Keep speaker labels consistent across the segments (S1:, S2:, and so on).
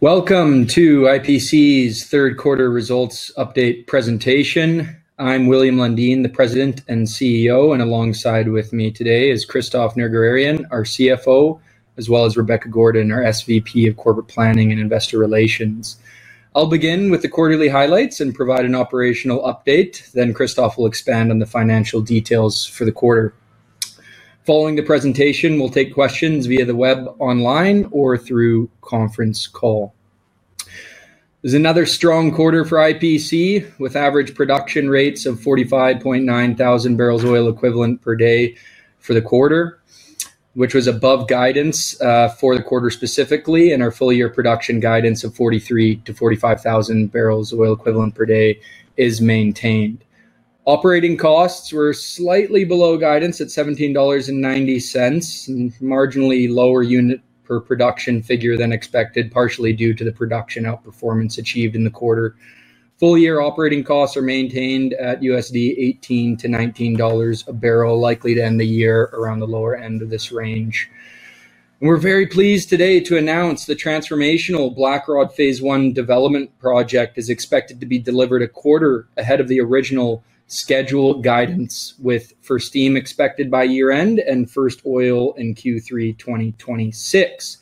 S1: Welcome to IPC's third quarter results update presentation. I'm William Lundin, the President and CEO, and alongside with me today is Christophe Nerguararian, our CFO, as well as Rebecca Gordon, our SVP of Corporate Planning and Investor Relations. I'll begin with the quarterly highlights and provide an operational update, then Christophe will expand on the financial details for the quarter. Following the presentation, we'll take questions via the web, online, or through conference call. There's another strong quarter for IPC, with average production rates of 45,900 bpd for the quarter, which was above guidance for the quarter specifically, and our full year production guidance of 43,000-45000 bpd is maintained. Operating costs were slightly below guidance at $17.90, marginally lower unit per production figure than expected, partially due to the production outperformance achieved in the quarter. Full year operating costs are maintained at $18-$19 a bbl, likely to end the year around the lower end of this range. We're very pleased today to announce the transformational Blackrod Phase 1 development project is expected to be delivered a quarter ahead of the original schedule guidance, with first steam expected by year end and first oil in Q3 2026.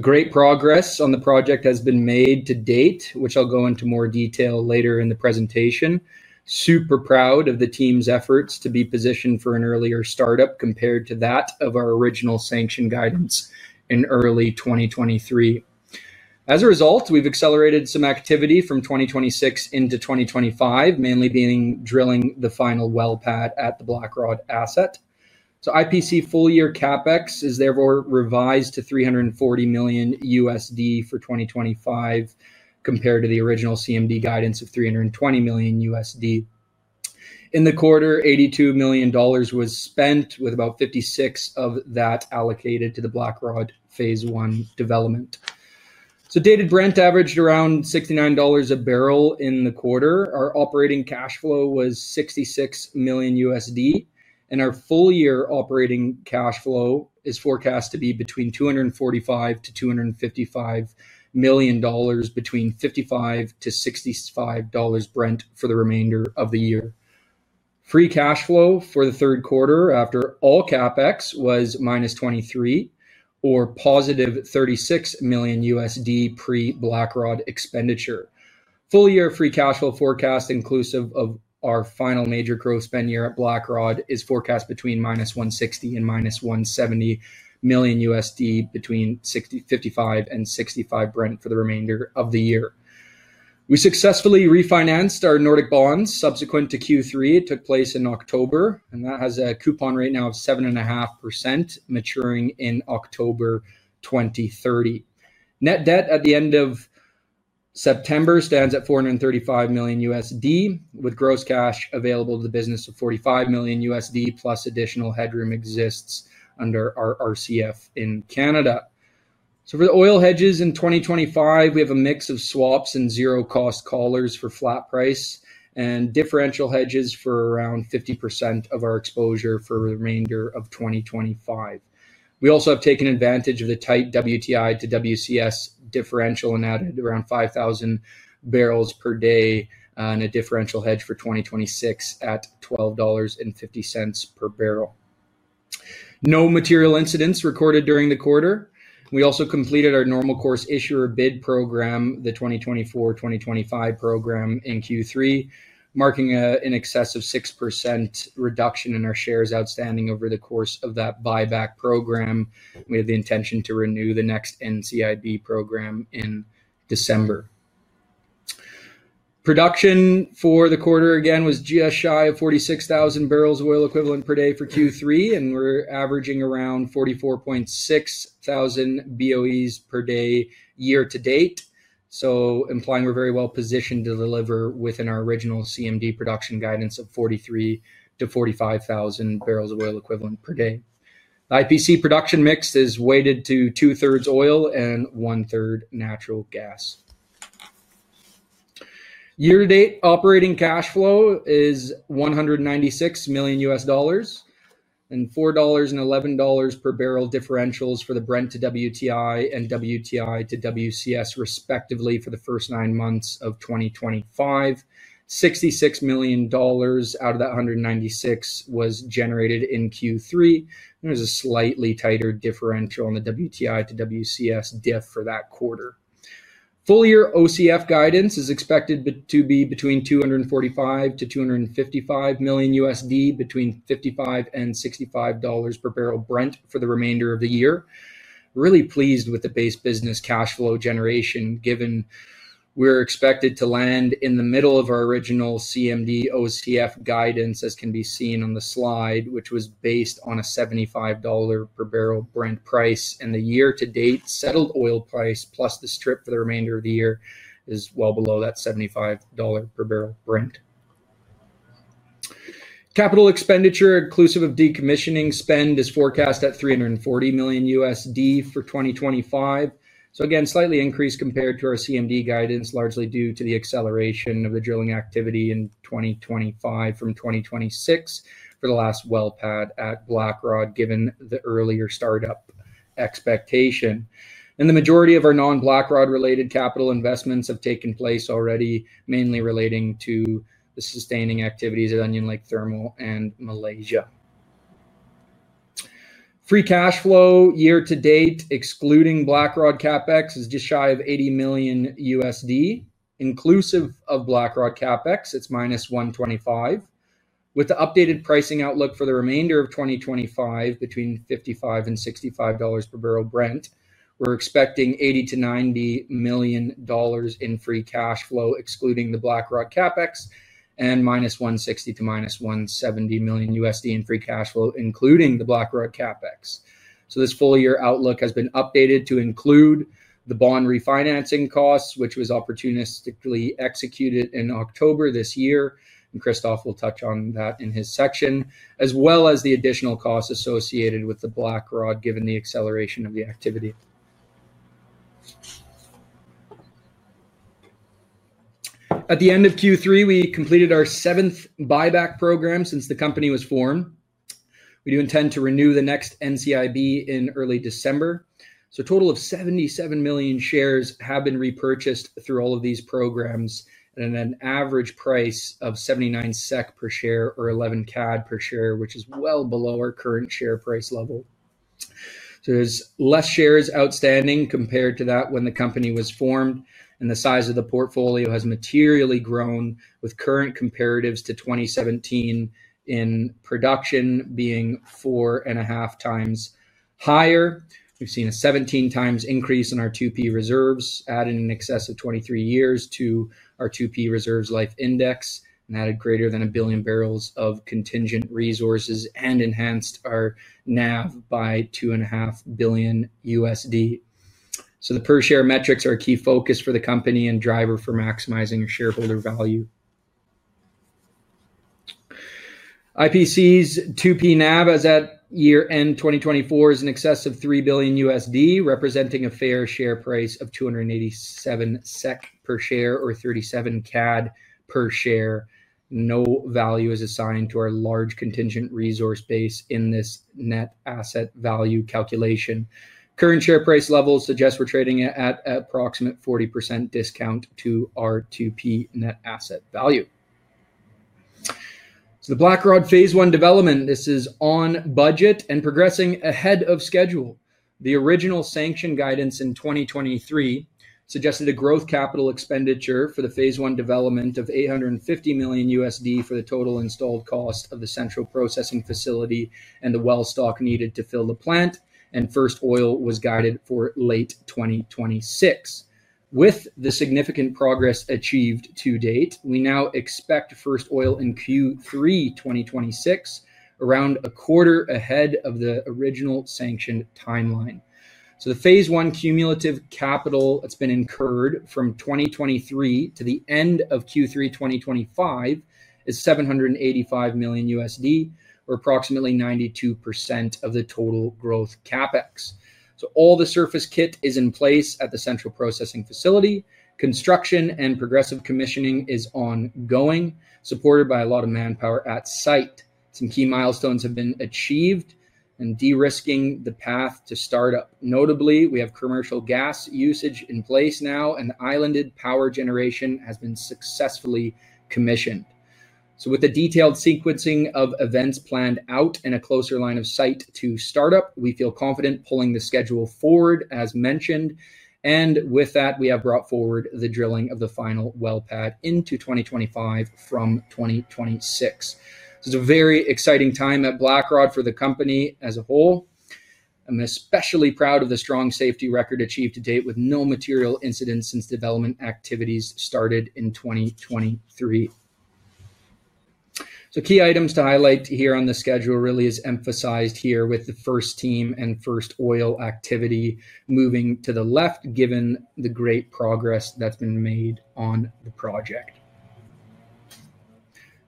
S1: Great progress on the project has been made to date, which I'll go into more detail later in the presentation. Super proud of the team's efforts to be positioned for an earlier startup compared to that of our original sanction guidance in early 2023. As a result, we've accelerated some activity from 2026 into 2025, mainly being drilling the final well pad at the Blackrod asset. IPC full year CapEx is therefore revised to $340 million for 2025, compared to the original CMD guidance of $320 million. In the quarter, $82 million was spent, with about $56 million of that allocated to the Blackrod Phase 1 development. Dated Brent averaged around $69 a bbl in the quarter. Our operating cash flow was $66 million, and our full year operating cash flow is forecast to be between $245 million-$255 million between $55-$65 Brent for the remainder of the year. Free cash flow for the third quarter after all CapEx was -$23 million, or +$36 million pre-Blackrod expenditure. Full year free cash flow forecast, inclusive of our final major growth spend year at Blackrod, is forecast between -$160 million and -$170 million between $55-$65 Brent for the remainder of the year. We successfully refinanced our Nordic bonds subsequent to Q3. It took place in October, and that has a coupon rate now of 7.5%, maturing in October 2030. Net debt at the end of September stands at $435 million, with gross cash available to the business of $45 million, plus additional headroom exists under our RCF in Canada. For the oil hedges in 2025, we have a mix of swaps and zero cost collars for flat price and differential hedges for around 50% of our exposure for the remainder of 2025. We also have taken advantage of the tight WTI to WCS differential and added around 5,000 bbls per day in a differential hedge for 2026 at $12.50 per bbl. No material incidents recorded during the quarter. We also completed our normal course issuer bid program, the 2024-2025 program in Q3, marking an excess of 6% reduction in our shares outstanding over the course of that buyback program. We have the intention to renew the next NCIB program in December. Production for the quarter again was just shy of 46,000 bpd for Q3, and we're averaging around 44.6 thousand BOEs per day year to date. This implies we're very well positioned to deliver within our original CMD production guidance of 43,000-45,000 bpd. IPC production mix is weighted to two thirds oil and one third natural gas. Year to date, operating cash flow is $196 million. And $4.11 per bbl differentials for the Brent to WTI and WTI to WCS respectively for the first nine months of 2025. $66 million out of that $196 million was generated in Q3. There's a slightly tighter differential in the WTI to WCS differential for that quarter. Full year OCF guidance is expected to be between $245-$255 million, between $55-$65 per bbl Brent for the remainder of the year. Really pleased with the base business cash flow generation given we're expected to land in the middle of our original CMD OCF guidance, as can be seen on the slide, which was based on a $75 per bbl Brent price. The year to date settled oil price, plus the strip for the remainder of the year, is well below that $75 per bbl Brent. Capital expenditure, inclusive of decommissioning spend, is forecast at $340 million for 2025. This is slightly increased compared to our CMD guidance, largely due to the acceleration of the drilling activity in 2025 from 2026 for the last well pad at Blackrod, given the earlier startup expectation. The majority of our non-Blackrod related capital investments have taken place already, mainly relating to the sustaining activities at Onion Lake Thermal and Malaysia. Free cash flow year to date, excluding Blackrod CapEx, is just shy of $80 million. Inclusive of Blackrod CapEx, it's minus $125 million. With the updated pricing outlook for the remainder of 2025, between $55-$65 per bbl Brent, we're expecting $80-$90 million in free cash flow, excluding the Blackrod CapEx, and minus $160 million to minus $170 million in free cash flow, including the Blackrod CapEx. This full year outlook has been updated to include the bond refinancing costs, which was opportunistically executed in October this year. Christophe will touch on that in his section, as well as the additional costs associated with the Blackrod, given the acceleration of the activity. At the end of Q3, we completed our seventh buyback program since the company was formed. We do intend to renew the next NCIB in early December. A total of 77 million shares have been repurchased through all of these programs at an average price of 79 SEK per share or 11 CAD per share, which is well below our current share price level. There are fewer shares outstanding compared to when the company was formed, and the size of the portfolio has materially grown with current comparatives to 2017 in production being 4.5x higher. We have seen a 17x increase in our 2P reserves, added in excess of 23 years to our 2P reserves life index, and added greater than a billion bbls of contingent resources and enhanced our NAV by $2.5 billion. The per share metrics are a key focus for the company and a driver for maximizing shareholder value. IPC's 2P NAV as at year end 2024 is in excess of $3 billion, representing a fair share price of 287 SEK per share or 37 CAD per share. No value is assigned to our large contingent resource base in this net asset value calculation. Current share price level suggests we are trading at approximately a 40% discount to our 2P net asset value. The Blackrod Phase 1 development is on budget and progressing ahead of schedule. The original sanction guidance in 2023 suggested a growth capital expenditure for the Phase 1 development of $850 million for the total installed cost of the central processing facility and the well stock needed to fill the plant, and first oil was guided for late 2026. With the significant progress achieved to date, we now expect first oil in Q3 2026, around a quarter ahead of the original sanctioned timeline. The Phase 1 cumulative capital that has been incurred from 2023 to the end of Q3 2025 is $785 million, or approximately 92% of the total growth CapEx. All the surface kit is in place at the central processing facility. Construction and progressive commissioning is ongoing, supported by a lot of manpower at site. Some key milestones have been achieved in de-risking the path to startup. Notably, we have commercial gas usage in place now, and the islanded power generation has been successfully commissioned. With the detailed sequencing of events planned out and a closer line of sight to startup, we feel confident pulling the schedule forward as mentioned. With that, we have brought forward the drilling of the final well pad into 2025 from 2026. This is a very exciting time at Blackrod for the company as a whole. I'm especially proud of the strong safety record achieved to date with no material incidents since development activities started in 2023. Key items to highlight here on the schedule really is emphasized here with the first team and first oil activity moving to the left, given the great progress that's been made on the project.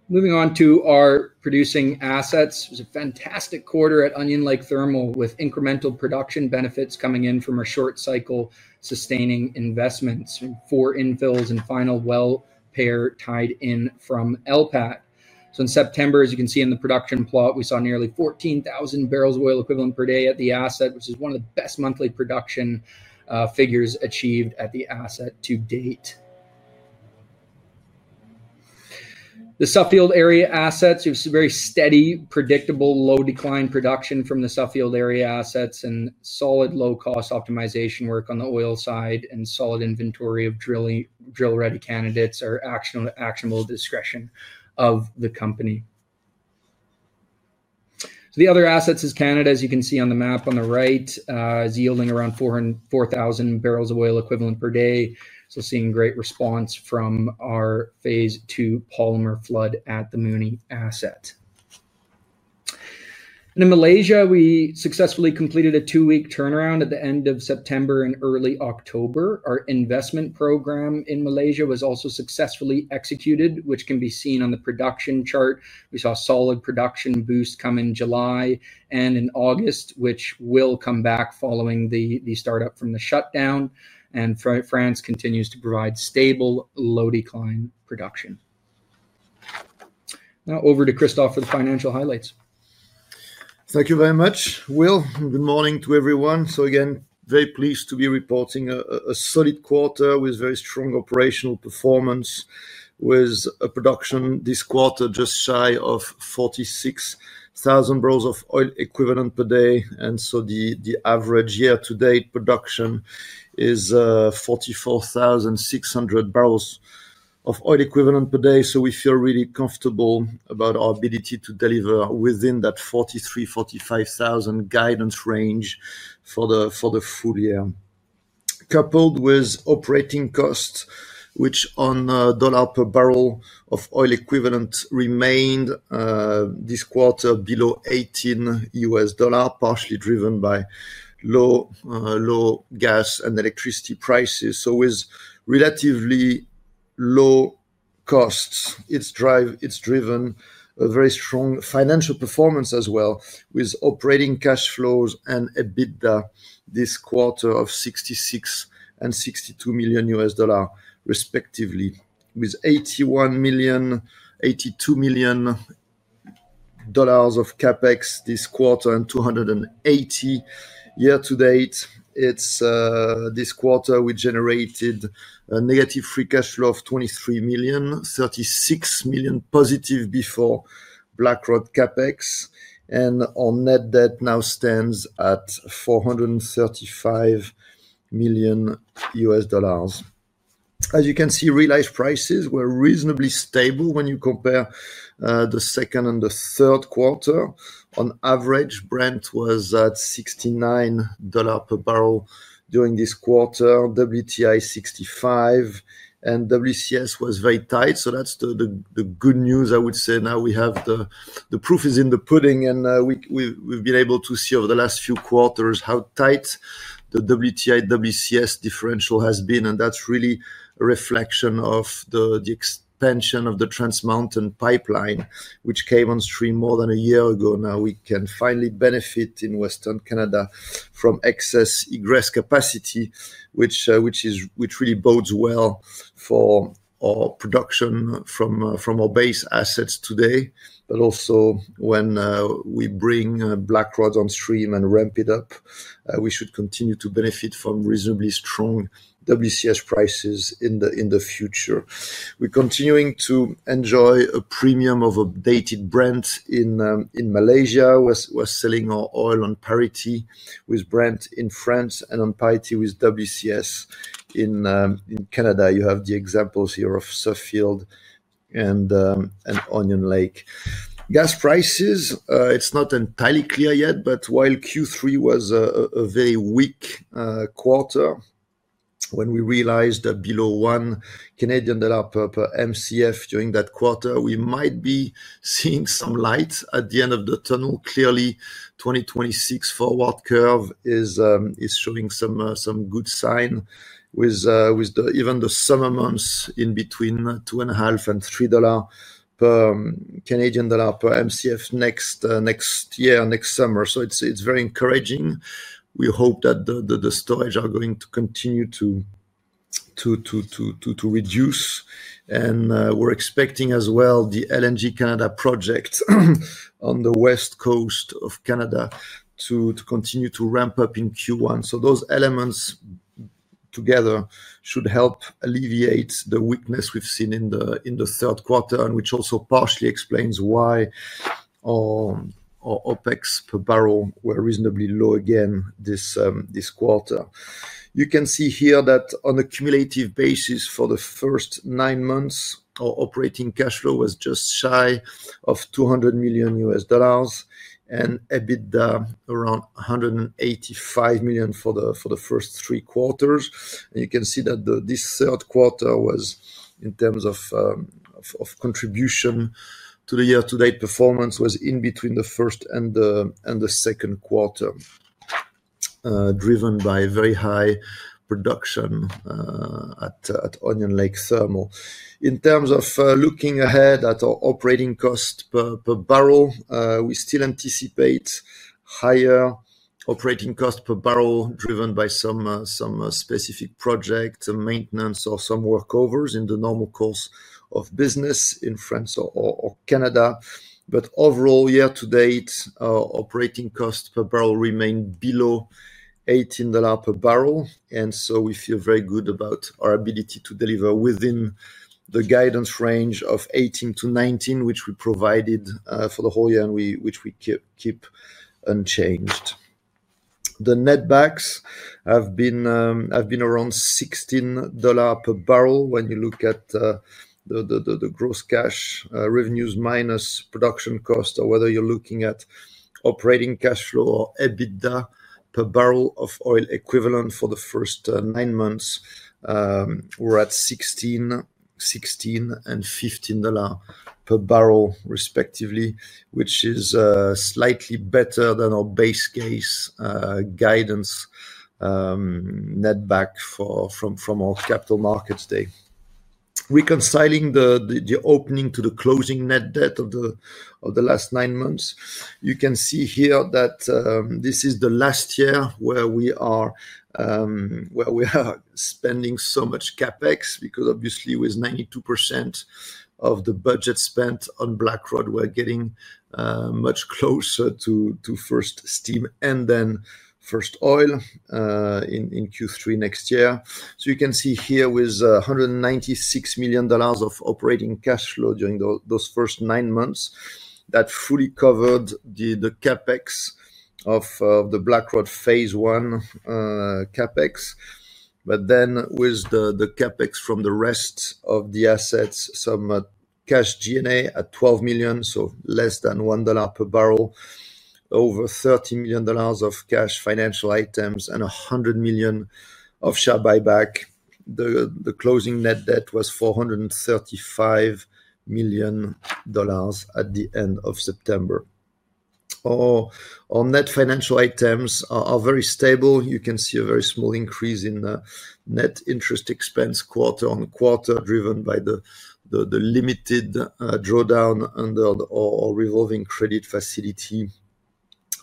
S1: Moving on to our producing assets, it was a fantastic quarter at Onion Lake Thermal with incremental production benefits coming in from short cycle sustaining investments for infills and final well pair tied in from ELPAT. In September, as you can see in the production plot, we saw nearly 14,000 bpd at the asset, which is one of the best monthly production figures achieved at the asset to date. The subfield area assets, we have some very steady, predictable, low decline production from the subfield area assets and solid low cost optimization work on the oil side and solid inventory of drill ready candidates are actionable discretion of the company. The other assets in Canada, as you can see on the map on the right, is yielding around 4,000 bpd. Seeing great response from our phase two polymer flood at the Mooney asset. In Malaysia, we successfully completed a two-week turnaround at the end of September and early October. Our investment program in Malaysia was also successfully executed, which can be seen on the production chart. We saw a solid production boost come in July and in August, which will come back following the startup from the shutdown. France continues to provide stable low decline production. Now over to Christophe for the financial highlights.
S2: Thank you very much, Will. Good morning to everyone. Again, very pleased to be reporting a solid quarter with very strong operational performance, with a production this quarter just shy of 46,000 bpd. The average year to date production is 44,600 bpd. We feel really comfortable about our ability to deliver within that 43,000-45,000 bpd guidance range for the full year. Coupled with operating costs, which on dollar per bbl of oil equivalent remained this quarter below $18 USD, partially driven by low gas and electricity prices. With relatively low costs, it's driven a very strong financial performance as well, with operating cash flows and EBITDA this quarter of $66 million and $62 million respectively, with $81 million, $82 million of CapEx this quarter and $280 million year to date. This quarter, we generated a negative free cash flow of $23 million, $36 million positive before Blackrod CapEx, and our net debt now stands at $435 million. As you can see, real life prices were reasonably stable when you compare the second and the third quarter. On average, Brent was at $69 per bbl during this quarter, WTI $65, and WCS was very tight. That is the good news, I would say. Now we have the proof is in the pudding, and we have been able to see over the last few quarters how tight the WTI/WCS differential has been. That is really a reflection of the expansion of the Trans Mountain Pipeline, which came on stream more than a year ago. Now we can finally benefit in Western Canada from excess egress capacity, which really bodes well for our production from our base assets today. Also, when we bring Blackrod on stream and ramp it up, we should continue to benefit from reasonably strong WCS prices in the future. We are continuing to enjoy a premium of updated Brent in Malaysia. We are selling our oil on parity with Brent in France and on parity with WCS in Canada. You have the examples here of Sofield and Onion Lake. Gas prices, it is not entirely clear yet, but while Q3 was a very weak quarter, when we realized that below 1 Canadian dollar per MCF during that quarter, we might be seeing some light at the end of the tunnel. Clearly, the 2026 forward curve is showing some good sign, with even the summer months in between 2.5 and 3 dollars per MCF next year, next summer. It is very encouraging. We hope that the storage are going to continue to reduce. We are expecting as well the LNG Canada project on the west coast of Canada to continue to ramp up in Q1. Those elements together should help alleviate the weakness we have seen in the third quarter, which also partially explains why our OpEx per bbl were reasonably low again this quarter. You can see here that on a cumulative basis, for the first nine months, our operating cash flow was just shy of $200 million and EBITDA around $185 million for the first three quarters. You can see that this third quarter was, in terms of contribution to the year-to-date performance, in between the first and the second quarter, driven by very high production at Onion Lake Thermal. In terms of looking ahead at our operating cost per bbl, we still anticipate higher operating cost per bbl driven by some specific project, maintenance, or some workovers in the normal course of business in France or Canada. Overall, year to date, our operating cost per bbl remained below $18 per bbl. We feel very good about our ability to deliver within the guidance range of $18-$19, which we provided for the whole year and which we keep unchanged. The net backs have been around $16 per bbl when you look at the gross cash revenues minus production cost, or whether you are looking at operating cash flow or EBITDA per bbl of oil equivalent for the first nine months. We are at $16, $16 and $15 per bbl, respectively, which is slightly better than our base case guidance net back from our capital markets day. Reconciling the opening to the closing net debt of the last nine months, you can see here that this is the last year where we are spending so much CapEx because obviously, with 92% of the budget spent on Blackrod, we're getting much closer to first steam and then first oil in Q3 next year. You can see here with $196 million of operating cash flow during those first nine months, that fully covered the CapEx of the Blackrod Phase 1 CapEx. But then with the CapEx from the rest of the assets, some cash G&A at $12 million, so less than $1 per bbl, over $30 million of cash financial items, and $100 million of share buyback, the closing net debt was $435 million at the end of September. Our net financial items are very stable. You can see a very small increase in net interest expense quarter-on-quarter, driven by the limited drawdown under our revolving credit facility.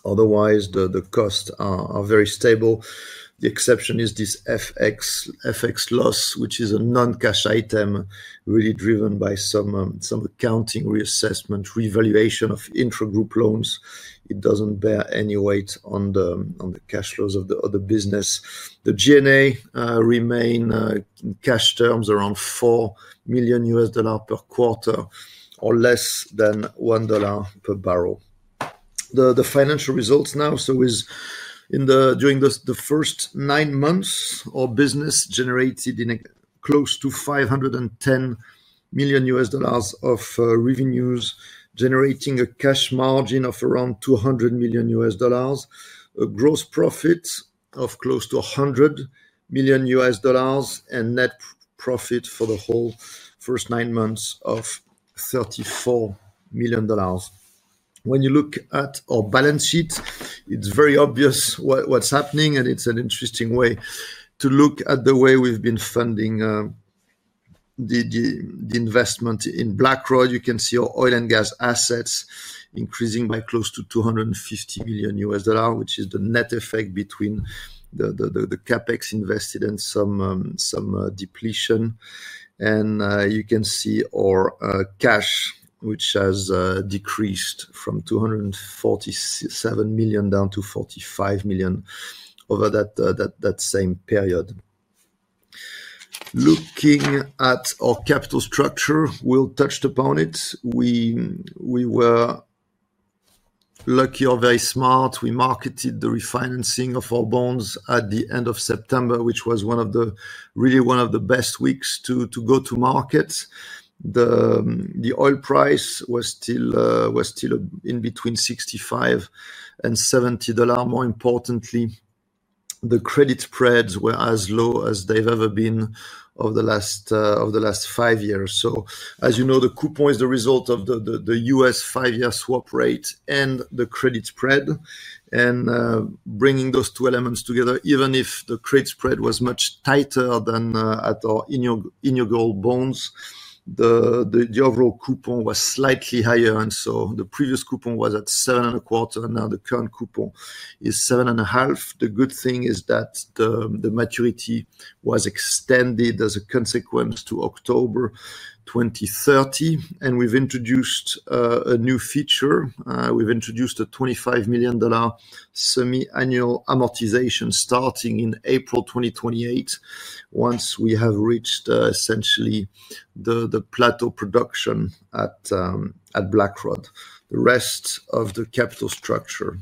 S2: Otherwise, the costs are very stable. The exception is this FX loss, which is a non-cash item, really driven by some accounting reassessment, revaluation of intra-group loans. It doesn't bear any weight on the cash flows of the business. The G&A remain in cash terms around $4 million USD per quarter, or less than $1 per bbl. The financial results now, so during the first nine months, our business generated close to $510 million of revenues, generating a cash margin of around $200 million USD, a gross profit of close to $100 million, and net profit for the whole first nine months of $34 million. When you look at our balance sheet, it's very obvious what's happening, and it's an interesting way to look at the way we've been funding the investment in Blackrod. You can see our oil and gas assets increasing by close to $250 million, which is the net effect between the CapEx invested and some depletion. And you can see our cash, which has decreased from $247 million down to $45 million over that same period. Looking at our capital structure, Will touched upon it. We were lucky or very smart. We marketed the refinancing of our bonds at the end of September, which was really one of the best weeks to go to market. The oil price was still in between $65 and $70. More importantly, the credit spreads were as low as they've ever been over the last five years. As you know, the coupon is the result of the U.S. five-year swap rate and the credit spread. Bringing those two elements together, even if the credit spread was much tighter than at our inaugural bonds, the overall coupon was slightly higher. The previous coupon was at $7.25, and now the current coupon is $7.5. The good thing is that the maturity was extended as a consequence to October 2030. We've introduced a new feature. We've introduced a $25 million. Semi-annual amortization starting in April 2028. Once we have reached essentially the plateau production at Blackrod. The rest of the capital structure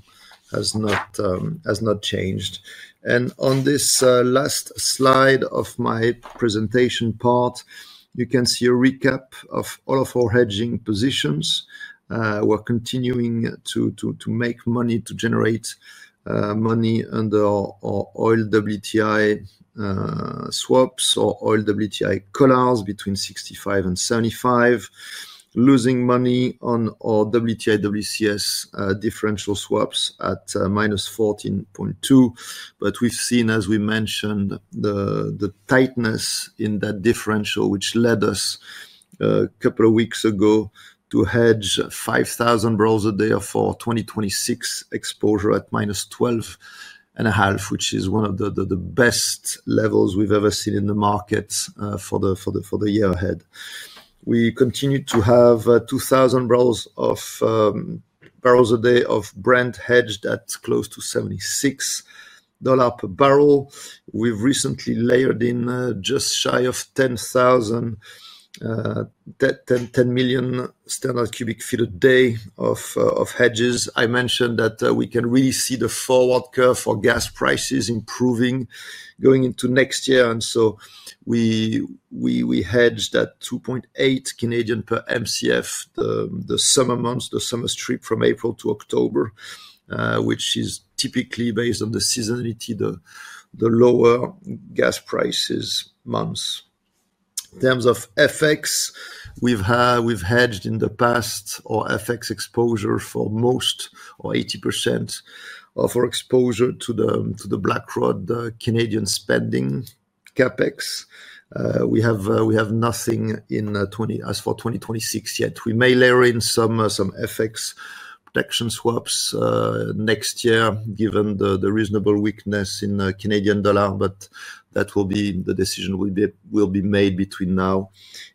S2: has not changed. On this last slide of my presentation part, you can see a recap of all of our hedging positions. We're continuing to make money, to generate money under our oil WTI swaps or oil WTI collars between $65 and $75. Losing money on our WTI/WCS differential swaps at -$14.2. We have seen, as we mentioned, the tightness in that differential, which led us a couple of weeks ago to hedge 5,000 a day for 2026 exposure at minus $12.5, which is one of the best levels we've ever seen in the market for the year ahead. We continue to have 2,000 a day of Brent hedged at close to $76 per bbl. We've recently layered in just shy of 10 million standard cu ft a day of hedges. I mentioned that we can really see the forward curve for gas prices improving going into next year. We hedged at 2.8 per MCF the summer months, the summer strip from April to October, which is typically based on the seasonality, the lower gas prices months. In terms of FX, we've hedged in the past our FX exposure for most or 80% of our exposure to the Blackrod Canadian spending CapEx. We have nothing in as for 2026 yet. We may layer in some FX protection swaps next year, given the reasonable weakness in Canadian dollar, but that will be the decision will be made between now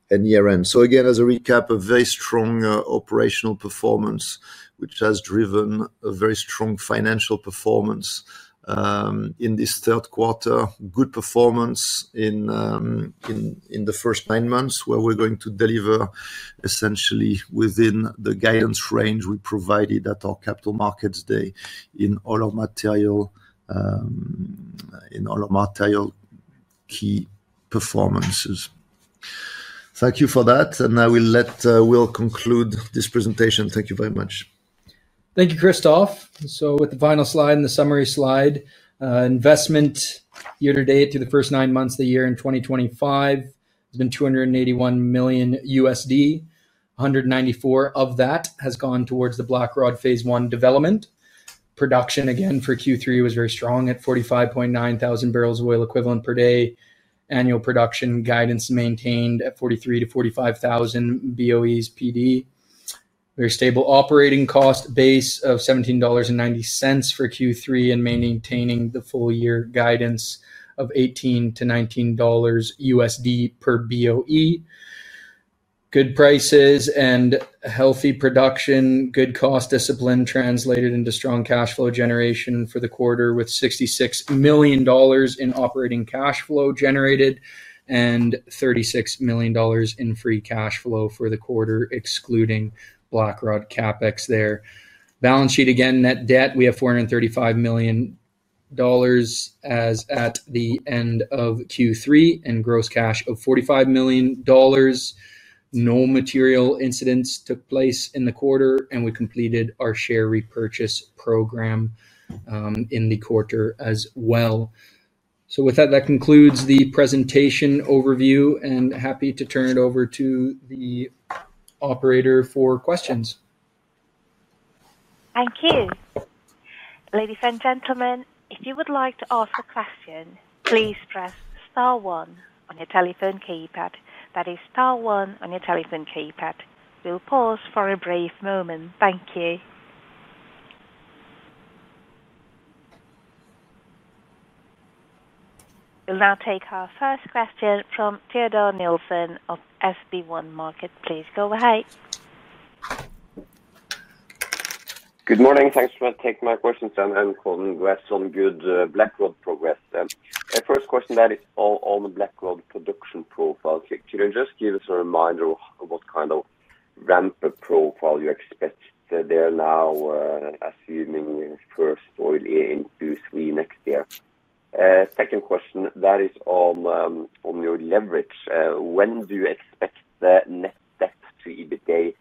S2: and year-end. Again, as a recap, a very strong operational performance, which has driven a very strong financial performance. In this third quarter, good performance in the first nine months, where we're going to deliver essentially within the guidance range we provided at our capital markets day in all our material key performances. Thank you for that. I will let Will conclude this presentation. Thank you very much.
S1: Thank you, Christophe. With the final slide and the summary slide, investment year-to-date through the first nine months of the year in 2025 has been $281 million. $194 million of that has gone towards the Blackrod Phase 1 development. Production, again, for Q3 was very strong at 45,900 bpd. Annual production guidance maintained at 43,000-45,000 bpd. Very stable operating cost base of $17.90 for Q3 and maintaining the full-year guidance of $18-19 bpd. Good prices and healthy production, good cost discipline translated into strong cash flow generation for the quarter with $66 million in operating cash flow generated and $36 million in free cash flow for the quarter, excluding Blackrod CapEx there. Balance sheet, again, net debt, we have $435 million as at the end of Q3 and gross cash of $45 million. No material incidents took place in the quarter, and we completed our share repurchase program in the quarter as well. With that, that concludes the presentation overview, and happy to turn it over to the operator for questions.
S3: Thank you. Ladies and gentlemen, if you would like to ask a question, please press star one on your telephone keypad. That is star one on your telephone keypad. We'll pause for a brief moment. Thank you. We'll now take our first question from Theodore Nielsen of SB1 Markets. Please go ahead.
S4: Good morning. Thanks for taking my question. I'm Theodore. We have some good Blackrod progress. First question, that is on the Blackrod production profile. Could you just give us a reminder of what kind of ramp-up profile you expect there now, assuming first oil year into Q3 next year? Second question, that is on your leverage. When do you expect the net debt to EBITDA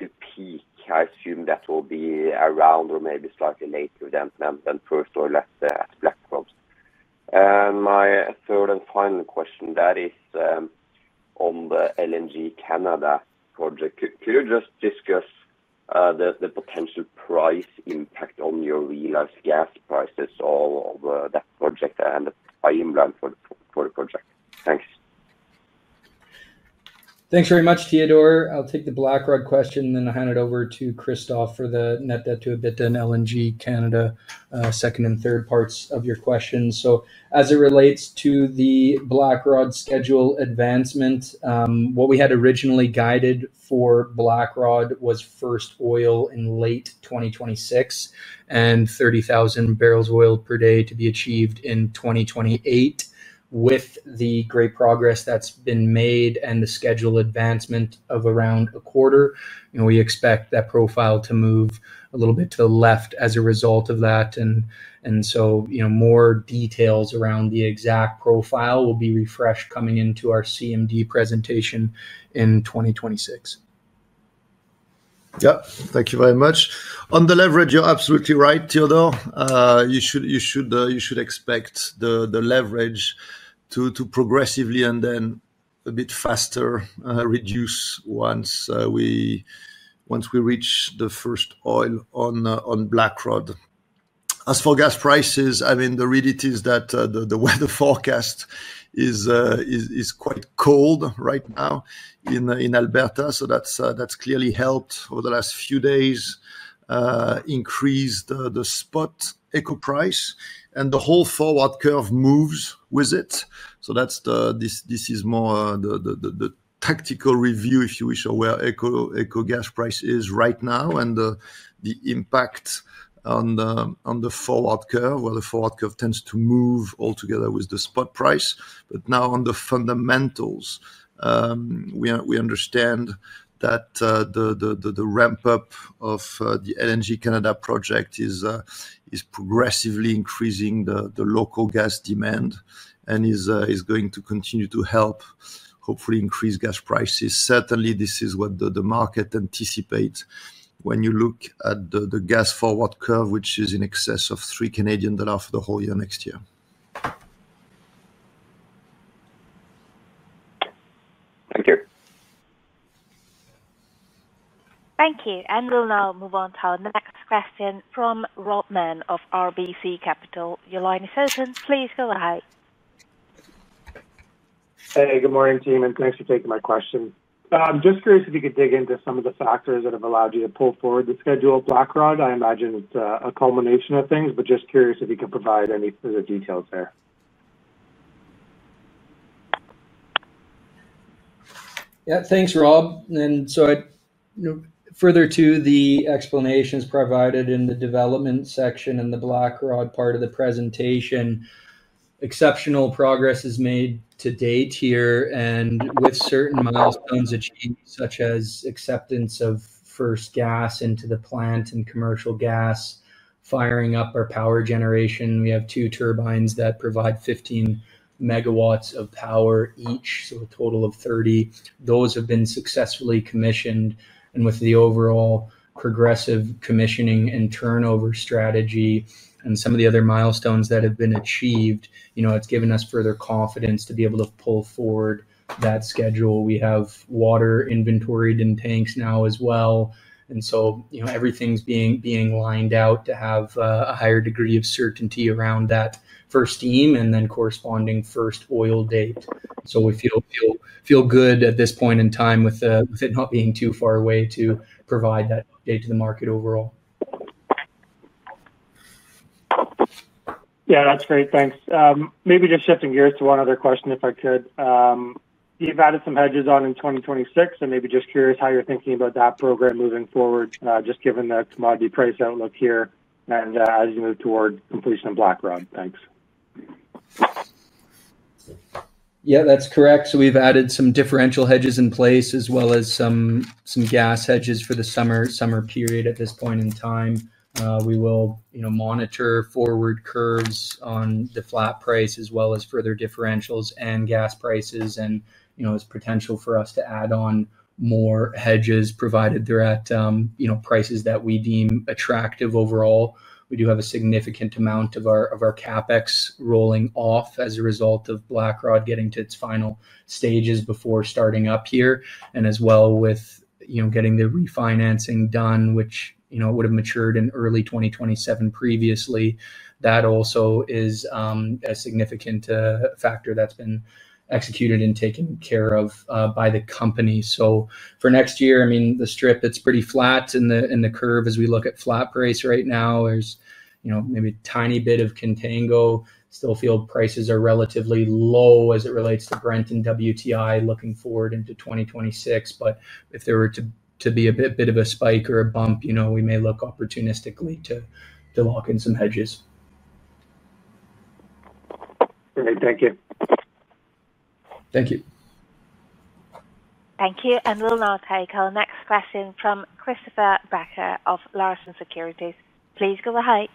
S4: to peak? I assume that will be around or maybe slightly later than first oil or last at Blackrod. My third and final question, that is on the LNG Canada project. Could you just discuss the potential price impact on your real-life gas prices of that project and the timeline for the project? Thanks.
S1: Thanks very much, Theodore. I'll take the Blackrod question, and then I'll hand it over to Christophe for the net debt to EBITDA and LNG Canada second and third parts of your questions. As it relates to the Blackrod schedule advancement, what we had originally guided for Blackrod was first oil in late 2026 and 30,000 bpd to be achieved in 2028. With the great progress that's been made and the schedule advancement of around a quarter, we expect that profile to move a little bit to the left as a result of that. More details around the exact profile will be refreshed coming into our CMD presentation in 2026.
S2: Yeah, thank you very much. On the leverage, you're absolutely right, Theodore. You should expect the leverage to progressively and then a bit faster reduce once we reach the first oil on Blackrod. As for gas prices, I mean, the reality is that the weather forecast is quite cold right now in Alberta, so that's clearly helped over the last few days increase the spot AECO price, and the whole forward curve moves with it. This is more the tactical review, if you wish, of where AECO gas price is right now and the impact on the forward curve, where the forward curve tends to move altogether with the spot price. Now on the fundamentals, we understand that the ramp-up of the LNG Canada project is progressively increasing the local gas demand and is going to continue to help, hopefully, increase gas prices. Certainly, this is what the market anticipates when you look at the gas forward curve, which is in excess of 3 Canadian dollars for the whole year next year. Thank you.
S3: Thank you. We'll now move on to our next question from Rob Mann of RBC Capital. Your line is open. Please go ahead.
S5: Hey, good morning, team, and thanks for taking my question. I'm just curious if you could dig into some of the factors that have allowed you to pull forward the schedule of Blackrod. I imagine it's a culmination of things, but just curious if you can provide any further details there.
S1: Yeah, thanks, Rob. Further to the explanations provided in the development section and the Blackrod part of the presentation, exceptional progress is made to date here, and with certain milestones achieved, such as acceptance of first gas into the plant and commercial gas, firing up our power generation. We have two turbines that provide 15 MW of power each, so a total of 30 MW. Those have been successfully commissioned. With the overall progressive commissioning and turnover strategy and some of the other milestones that have been achieved, it's given us further confidence to be able to pull forward that schedule. We have water inventoried in tanks now as well. Everything's being lined out to have a higher degree of certainty around that first steam and then corresponding first oil date. We feel good at this point in time with it not being too far away to provide that update to the market overall.
S5: Yeah, that's great. Thanks. Maybe just shifting gears to one other question, if I could. You've added some hedges on in 2026, and maybe just curious how you're thinking about that program moving forward, just given the commodity price outlook here and as you move toward completion of Blackrod. Thanks.
S1: Yeah, that's correct. We've added some differential hedges in place as well as some gas hedges for the summer period at this point in time. We will monitor forward curves on the flat price as well as further differentials and gas prices and potential for us to add on more hedges provided they're at prices that we deem attractive overall. We do have a significant amount of our CapEx rolling off as a result of Blackrod getting to its final stages before starting up here. As well, with getting the refinancing done, which would have matured in early 2027 previously, that also is a significant factor that's been executed and taken care of by the company. For next year, I mean, the strip, it's pretty flat in the curve as we look at flat price right now. There's maybe a tiny bit of contango. Still, field prices are relatively low as it relates to Brent and WTI looking forward into 2026. But if there were to be a bit of a spike or a bump, we may look opportunistically to lock in some hedges.
S5: Great. Thank you.
S1: Thank you.
S3: Thank you. And we'll now take our next question from Christopher Becker of Larson Securities. Please go ahead.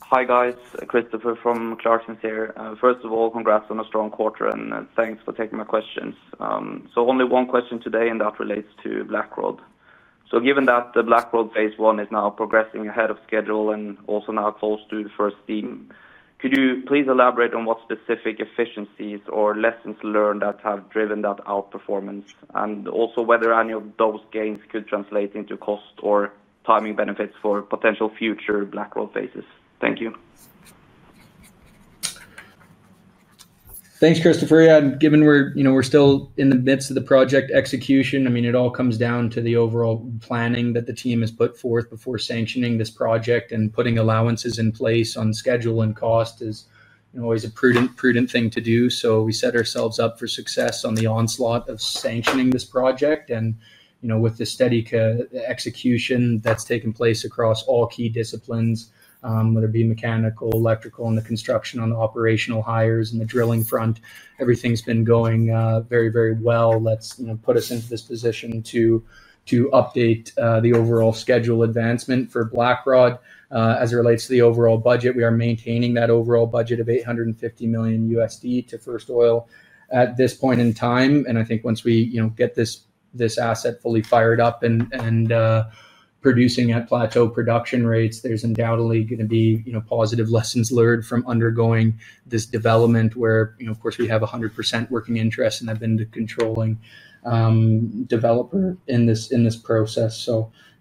S6: Hi, guys. Christopher from Larson Securities here. First of all, congrats on a strong quarter, and thanks for taking my questions. So only one question today, and that relates to Blackrod. So given that the Blackrod Phase 1 is now progressing ahead of schedule and also now close to the first steam, could you please elaborate on what specific efficiencies or lessons learned that have driven that outperformance? And also whether any of those gains could translate into cost or timing benefits for potential future Blackrod phases. Thank you.
S1: Thanks, Christopher. Yeah, given we're still in the midst of the project execution, I mean, it all comes down to the overall planning that the team has put forth before sanctioning this project and putting allowances in place on schedule and cost is always a prudent thing to do. We set ourselves up for success on the onslaught of sanctioning this project. With the steady execution that's taken place across all key disciplines, whether it be mechanical, electrical, and the construction on the operational hires and the drilling front, everything's been going very, very well. That's put us into this position to update the overall schedule advancement for Blackrod. As it relates to the overall budget, we are maintaining that overall budget of $850 million to first oil at this point in time. I think once we get this asset fully fired up and producing at plateau production rates, there's undoubtedly going to be positive lessons learned from undergoing this development where, of course, we have 100% working interest and have been controlling developer in this process.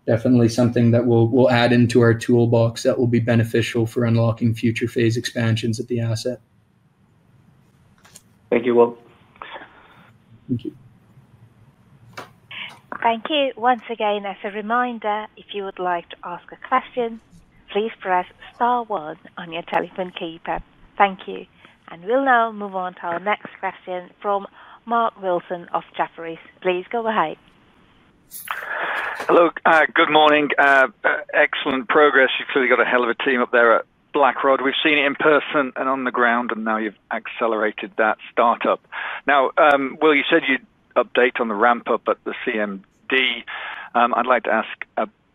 S1: Definitely something that we'll add into our toolbox that will be beneficial for unlocking future phase expansions of the asset.
S6: Thank you, Will.
S1: Thank you.
S3: Thank you. Once again, as a reminder, if you would like to ask a question, please press star one on your telephone keypad. Thank you. We'll now move on to our next question from Mark Wilson of Jefferies. Please go ahead.
S7: Hello. Good morning. Excellent progress. You've clearly got a hell of a team up there at Blackrod. We've seen it in person and on the ground, and now you've accelerated that startup.
S8: Now, Will, you said you'd update on the ramp-up at the CMD. I'd like to ask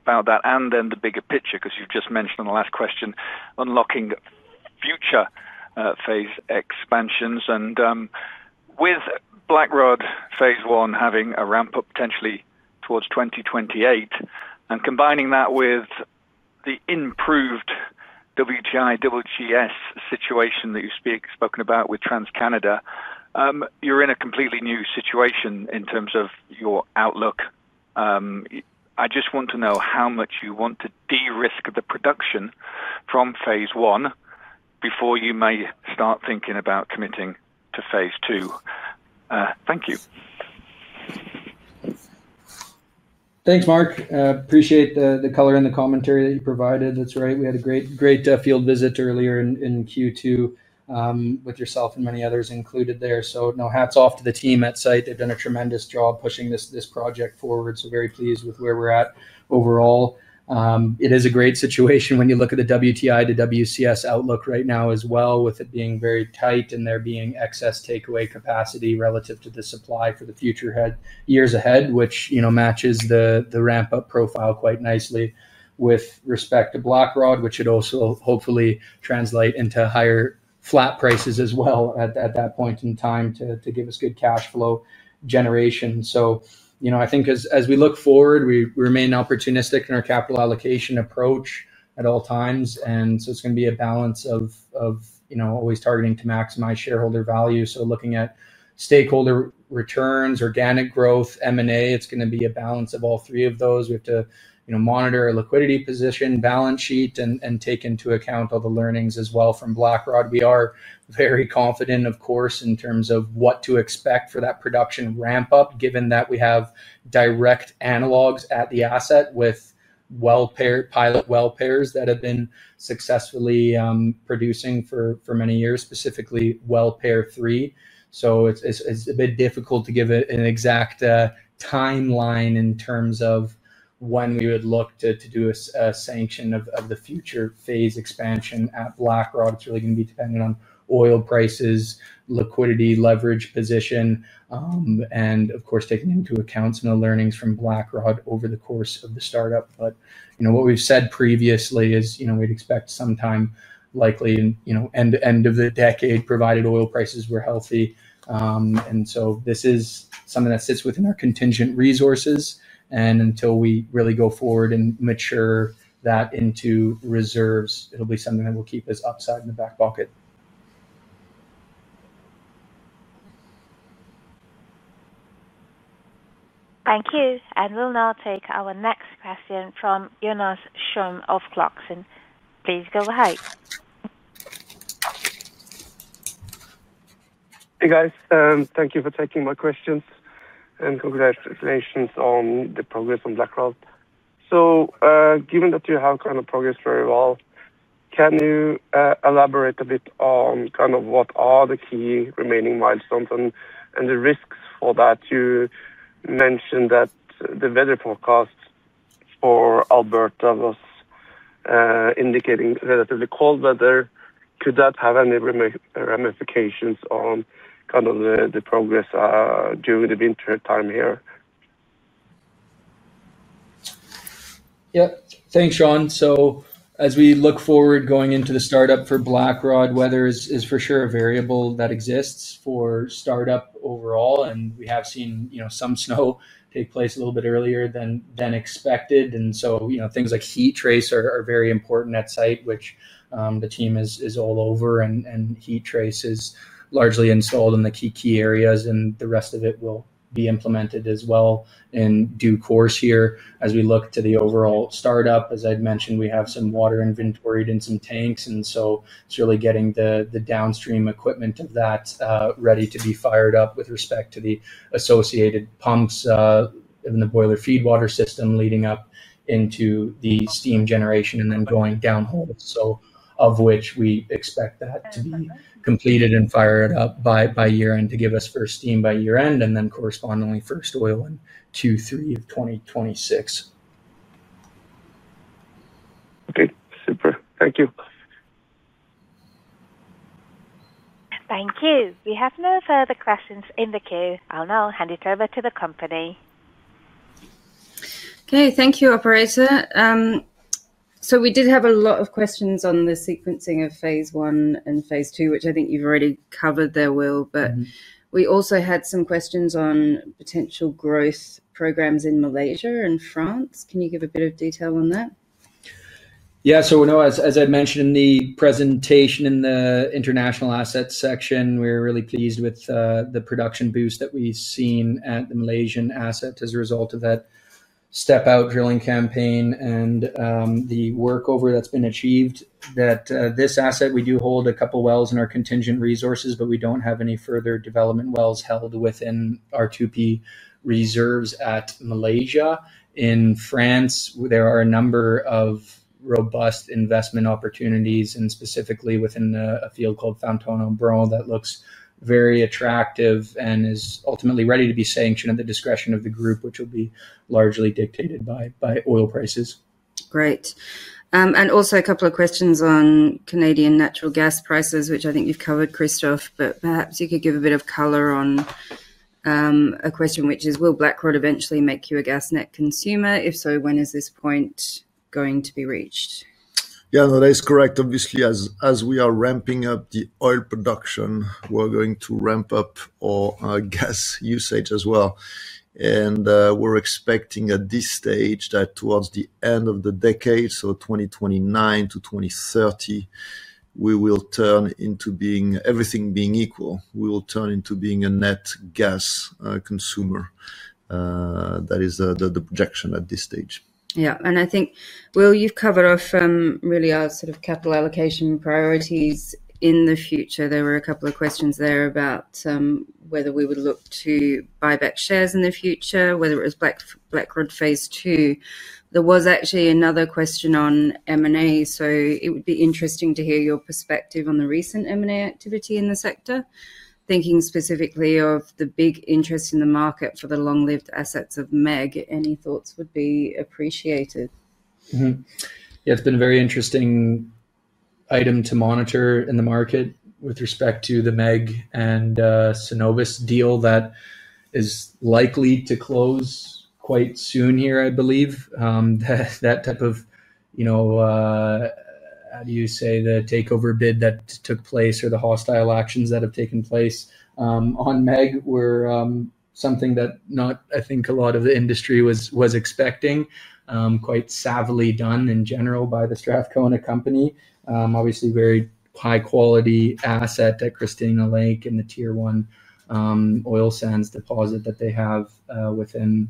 S8: about that and then the bigger picture because you've just mentioned on the last question unlocking future phase expansions. With Blackrod Phase 1 having a ramp-up potentially towards 2028 and combining that with the improved WTI, WCS situation that you've spoken about with TransCanada, you're in a completely new situation in terms of your outlook. I just want to know how much you want to de-risk the production from Phase 1 before you may start thinking about committing to Phase Two. Thank you.
S1: Thanks, Mark. Appreciate the color and the commentary that you provided. That's right. We had a great field visit earlier in Q2 with yourself and many others included there. So hats off to the team at site. They've done a tremendous job pushing this project forward. Very pleased with where we're at overall. It is a great situation when you look at the WTI to WCS outlook right now as well, with it being very tight and there being excess takeaway capacity relative to the supply for the future years ahead, which matches the ramp-up profile quite nicely with respect to Blackrod, which would also hopefully translate into higher flat prices as well at that point in time to give us good cash flow generation. I think as we look forward, we remain opportunistic in our capital allocation approach at all times. It's going to be a balance of always targeting to maximize shareholder value. Looking at stakeholder returns, organic growth, M&A, it's going to be a balance of all three of those. We have to monitor our liquidity position, balance sheet, and take into account all the learnings as well from Blackrod. We are very confident, of course, in terms of what to expect for that production ramp-up, given that we have direct analogs at the asset with pilot well pairs that have been successfully producing for many years, specifically well pair three. It's a bit difficult to give an exact timeline in terms of when we would look to do a sanction of the future phase expansion at Blackrod. It's really going to be dependent on oil prices, liquidity, leverage position, and of course, taking into account some of the learnings from Blackrod over the course of the startup. What we've said previously is we'd expect sometime likely end of the decade, provided oil prices were healthy. This is something that sits within our contingent resources, and until we really go forward and mature that into reserves, it'll be something that will keep us upside in the back pocket.
S3: Thank you. We'll now take our next question from Jonas Schon of Clarkson. Please go ahead.
S9: Hey, guys. Thank you for taking my questions and congratulations on the progress on Blackrod. Given that you have kind of progressed very well, can you elaborate a bit on what are the key remaining milestones and the risks for that? You mentioned that the weather forecast for Alberta was indicating relatively cold weather. Could that have any ramifications on the progress during the wintertime here?
S1: Yeah. Thanks, Jonas. As we look forward going into the startup for Blackrod, weather is for sure a variable that exists for startup overall. We have seen some snow take place a little bit earlier than expected. Things like heat trace are very important at site, which the team is all over. Heat trace is largely installed in the key areas, and the rest of it will be implemented as well in due course here as we look to the overall startup. As I mentioned, we have some water inventoried in some tanks. It is really getting the downstream equipment of that ready to be fired up with respect to the associated pumps in the boiler feed water system leading up into the steam generation and then going downhole, of which we expect that to be completed and fired up by year-end to give us first steam by year-end and then correspondingly first oil in Q3 of 2026.
S3: Thank you. We have no further questions in the queue. I'll now hand it over to the company.
S10: Thank you, Operator. We did have a lot of questions on the sequencing of Phase 1 and Phase 2, which I think you have already covered there, Will. We also had some questions on potential growth programs in Malaysia and France. Can you give a bit of detail on that?
S1: Yeah. As I mentioned in the presentation in the international asset section, we are really pleased with the production boost that we have seen at the Malaysian asset as a result of that step-out drilling campaign and the workover that has been achieved. This asset, we do hold a couple of wells in our contingent resources, but we do not have any further development wells held within our 2P reserves at Malaysia. In France, there are a number of robust investment opportunities and specifically within a field called Fantone-Embrun that looks very attractive and is ultimately ready to be sanctioned at the discretion of the group, which will be largely dictated by oil prices.
S10: Great. Also, a couple of questions on Canadian natural gas prices, which I think you have covered, Christophe, but perhaps you could give a bit of color on a question which is, will Blackrod eventually make you a gas-net consumer? If so, when is this point going to be reached?
S2: Yeah, that is correct. Obviously, as we are ramping up the oil production, we are going to ramp up our gas usage as well. We are expecting at this stage that towards the end of the decade, so 2029-2030, we will turn into being, everything being equal, a net gas consumer. That is the projection at this stage.
S10: Yeah. I think, Will, you have covered off really our sort of capital allocation priorities in the future. There were a couple of questions there about whether we would look to buy back shares in the future, whether it was Blackrod Phase Two. There was actually another question on M&A. It would be interesting to hear your perspective on the recent M&A activity in the sector, thinking specifically of the big interest in the market for the long-lived assets of MEG. Any thoughts would be appreciated?
S1: Yeah, it's been a very interesting item to monitor in the market with respect to the MEG and Cenovus deal that is likely to close quite soon here, I believe. That type of, how do you say, the takeover bid that took place or the hostile actions that have taken place on MEG were something that I think a lot of the industry was expecting, quite savvily done in general by the Strathcona company. Obviously, very high-quality asset at Christina Lake and the Tier 1 oil sands deposit that they have within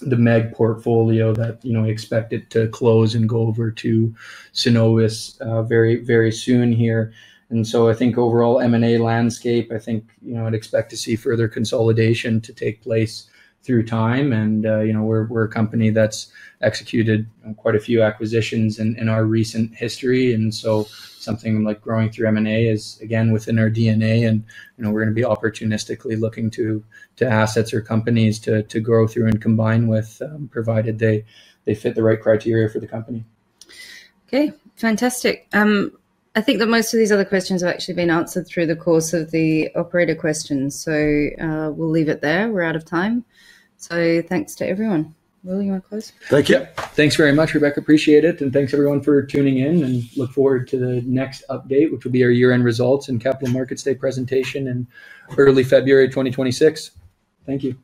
S1: the MEG portfolio that we expect to close and go over to Cenovus very soon here. I think overall M&A landscape, I think I'd expect to see further consolidation to take place through time. We're a company that's executed quite a few acquisitions in our recent history, and something like growing through M&A is, again, within our DNA. We're going to be opportunistically looking to assets or companies to grow through and combine with, provided they fit the right criteria for the company.
S10: Okay. Fantastic. I think that most of these other questions have actually been answered through the course of the operator questions, so we'll leave it there. We're out of time. Thanks to everyone. Will, you want to close?
S1: Thank you. Thanks very much, Rebecca. Appreciate it. Thanks, everyone, for tuning in, and look forward to the next update, which will be our year-end results and capital markets day presentation in early February 2026. Thank you.